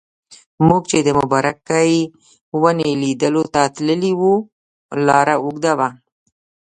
موږ چې د مبارکې ونې لیدلو ته تللي وو لاره اوږده وه.